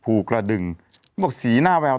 ศูนย์อุตุนิยมวิทยาภาคใต้ฝั่งตะวันอ่อค่ะ